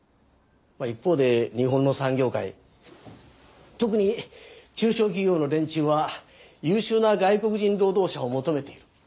まあ一方で日本の産業界特に中小企業の連中は優秀な外国人労働者を求めている。